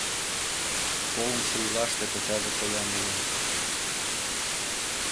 Колымшо ийлаште кочаже поян илен.